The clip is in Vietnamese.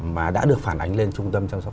mà đã được phản ánh lên trung tâm chăm sóc